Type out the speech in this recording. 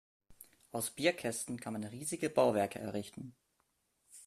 Aus Bierkästen kann man riesige Bauwerke errichten.